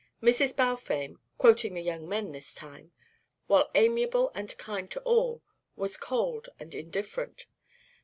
Mrs. Balfame (quoting the young men this time), while amiable and kind to all, was cold and indifferent.